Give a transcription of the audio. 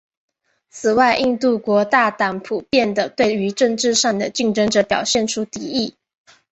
此外印度国大党普遍地对于政治上的竞争者表现出敌意。